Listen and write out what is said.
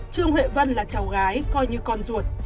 trương huệ vân là cháu gái coi như con ruột